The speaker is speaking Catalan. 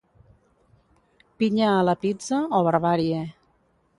Pinya a la pizza o barbàrie.